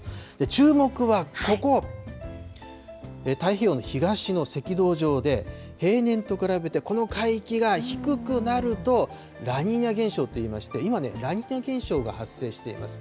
注目はここ、太平洋の東の赤道上で、平年と比べてこの海域が低くなると、ラニーニャ現象といいまして、今ね、ラニーニャ現象が発生しています。